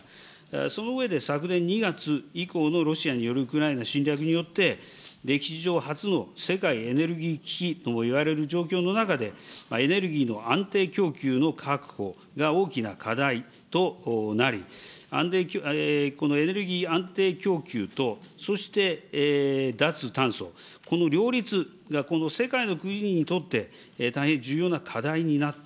その上で昨年２月以降のロシアによるウクライナ侵攻によって、歴史上初の世界エネルギー危機ともいわれる状況の中で、エネルギーの安定供給の確保が大きな課題となり、このエネルギー安定供給と、そして脱炭素、この両立が、この世界の国々にとって大変重要な課題になった。